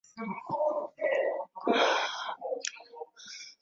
Wakulima walivuna mahindi